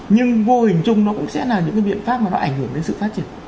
nhưng vô hình chung nó cũng sẽ là những cái biện pháp mà nó ảnh hưởng đến sự phát triển